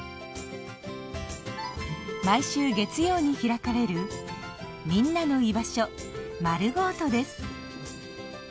毎週月曜に開かれる「みんなの居場所まるごーと」です。